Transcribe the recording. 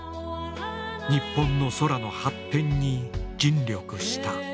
日本の空の発展に尽力した。